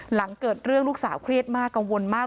หลังเกิดเรื่องลูกสาวเครียดมากกังวลมาก